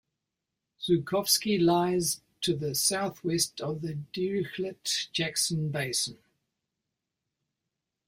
Zhukovskiy lies to the southwest of the Dirichlet-Jackson Basin.